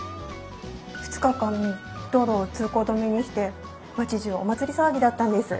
２日間道路を通行止めにして町じゅうお祭り騒ぎだったんです。